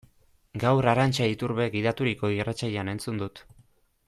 Gaur Arantxa Iturbek gidaturiko irratsaioa entzun dut.